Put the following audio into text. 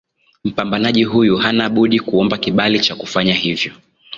mpandaji huyu hana budi kuomba kibali cha kufanya hivyo